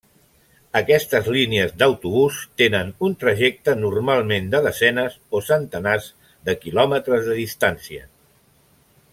Aquestes línies d'autobús tenen un trajecte normalment de desenes o centenars de quilòmetres de distància.